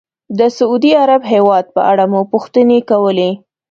د سعودي عرب هېواد په اړه مو پوښتنې کولې.